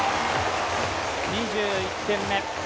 ２１点目。